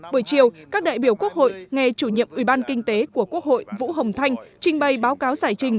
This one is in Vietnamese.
buổi chiều các đại biểu quốc hội nghe chủ nhiệm ủy ban kinh tế của quốc hội vũ hồng thanh trình bày báo cáo giải trình